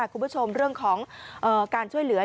คุณผู้ชมเรื่องของการช่วยเหลือ